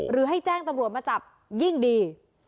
ให้แจ้งตำรวจมาจับยิ่งดี